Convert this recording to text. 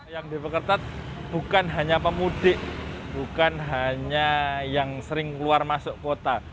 yang dipekertat bukan hanya pemudik bukan hanya yang sering keluar masuk kota